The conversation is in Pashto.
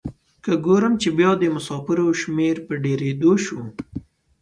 که ګورم چې بیا د مسافرو شمیر په ډیریدو شو.